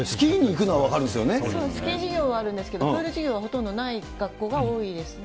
スキーに行くのは分かるんでスキー授業はあるんですけど、プール授業はほとんどない学校が多いですね。